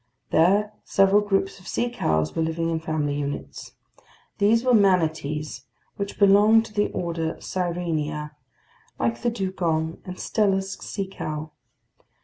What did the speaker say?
There several groups of sea cows were living in family units. These were manatees, which belong to the order Sirenia, like the dugong and Steller's sea cow.